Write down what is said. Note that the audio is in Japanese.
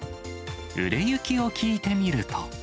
売れ行きを聞いてみると。